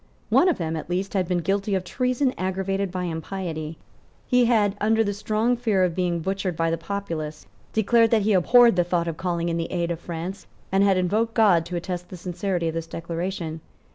One of them at least had been guilty of treason aggravated by impiety. He had, under the strong fear of being butchered by the populace, declared that he abhorred the thought of calling in the aid of France, and had invoked God to attest the sincerity of this declaration.